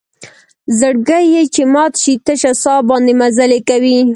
زړګۍ چې مات شي تشه سا باندې مزلې کوي